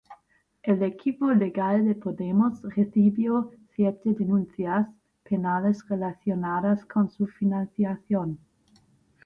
El equipo legal de Podemos recibió siete denuncias penales relacionadas con su financiación.